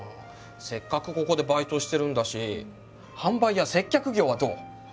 せっかくここでバイトしてるんだし販売や接客業はどう？